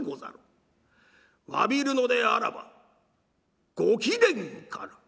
わびるのであらばご貴殿から」。